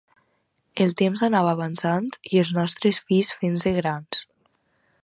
El temps anava avançant i els nostres fills fent-se grans.